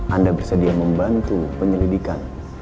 anda bersedia membantu penyelidikan